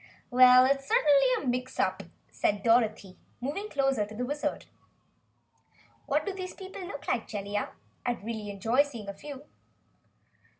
"Well, it's certainly a mix up," said Dorothy, moving closer to the Wizard. "What do these people look like, Jellia?" she asked curiously. "Really I'd enjoy seeing a few."